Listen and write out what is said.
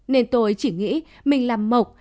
nên tôi chỉ nghĩ mình làm mộc